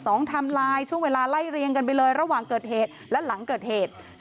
ไทม์ไลน์ช่วงเวลาไล่เรียงกันไปเลยระหว่างเกิดเหตุและหลังเกิดเหตุ